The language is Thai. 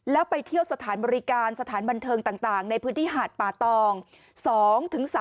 แล้วไปเที่ยวสถานบริการสถานบันเทิงต่างในพื้นที่หาดป่าตอง